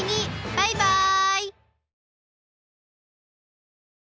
バイバイ！